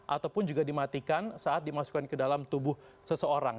ataupun juga dimatikan saat dimasukkan ke dalam tubuh seseorang